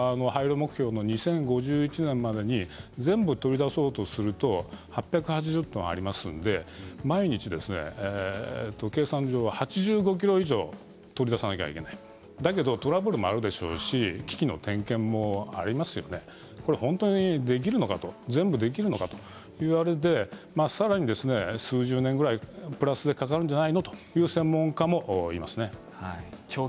そういったことを廃炉目標の２０５１年までに全部取り出そうとすると８８０トンありますので毎日、計算上は８５ｋｇ以上取り出さなくてはいけないトラブルもあるだろうし機器の点検もありますので本当にできるのかと全部できるのかということでさらに数十年ぐらいプラスでかかるんじゃないかという専門家もいます。